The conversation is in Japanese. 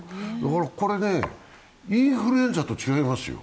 これはインフルエンザと違いますよ。